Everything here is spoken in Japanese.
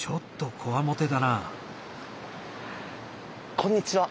こんにちは。